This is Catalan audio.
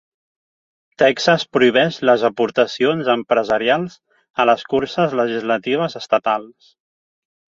Texas prohibeix les aportacions empresarials a les curses legislatives estatals.